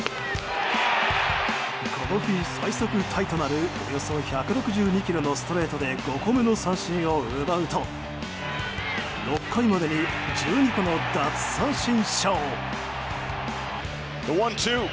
この日、最速タイとなるおよそ１６２キロのストレートで５個目の三振を奪うと６回までに１２個の奪三振ＳＨＯ。